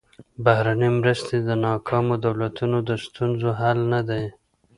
بهرنۍ مرستې د ناکامو دولتونو د ستونزو حل نه دي.